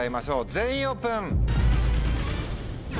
全員オープン。